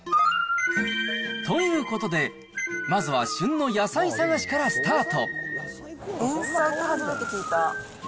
ということで、まずは旬の野菜探しからスタート。